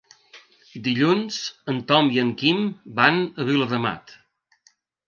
Dilluns en Tom i en Quim van a Viladamat.